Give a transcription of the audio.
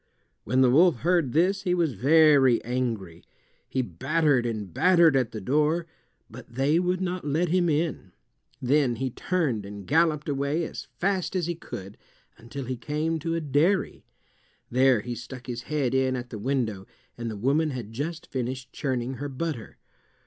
When the wolf heard this he was very angry. He battered and battered at the door, but they would not let him in. Then he turned and galloped away as fast as he could until he came to a dairy. There he stuck his head in at the window, and the woman had just finished churning her butter.